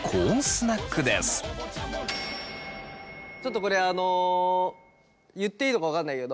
ちょっとこれ言っていいのか分からないけど。